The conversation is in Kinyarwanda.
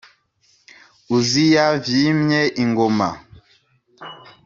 Uziya v yimye ingoma